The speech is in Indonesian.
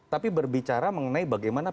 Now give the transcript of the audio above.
tapi berbicara mengenai bagaimana